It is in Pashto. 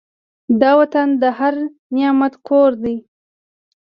دا وطن د هر نعمت کور دی.